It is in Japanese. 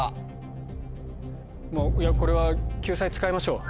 これは救済使いましょう。